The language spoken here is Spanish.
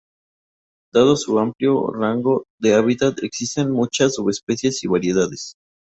Dado su amplio rango de hábitat existen muchas subespecies y variedades.